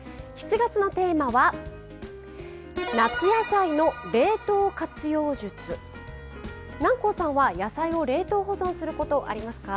７月のテーマは南光さんは野菜を冷凍保存することありますか？